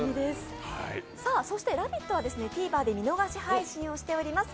そして「ラヴィット！」はＴｖｅｒで見逃し配信をしております。